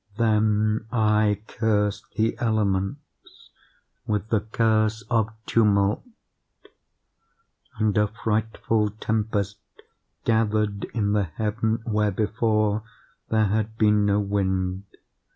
"Then I cursed the elements with the curse of tumult; and a frightful tempest gathered in the heaven where, before, there had been no wind.